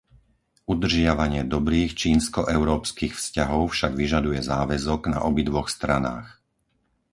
Udržiavanie dobrých čínsko-európskych vzťahov však vyžaduje záväzok na obidvoch stranách.